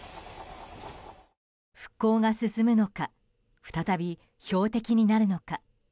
復興が進むのか再び標的になるのか。